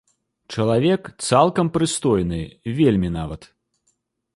Чалавек цалкам прыстойны, вельмі нават.